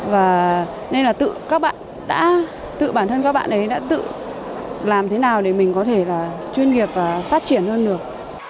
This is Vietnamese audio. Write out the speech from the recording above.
và nên là tự các bạn đã tự bản thân các bạn ấy đã tự làm thế nào để mình có thể là chuyên nghiệp và phát triển hơn được